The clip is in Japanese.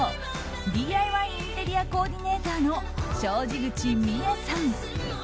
ＤＩＹインテリアコーディネーターの小路口美江さん。